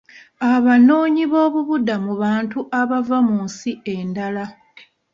Abanoonyiboobubudamu bantu abava mu nsi endala.